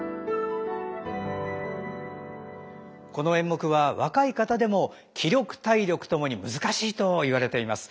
この演目は若い方でも気力体力ともに難しいといわれています。